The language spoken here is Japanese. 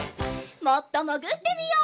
もっともぐってみよう。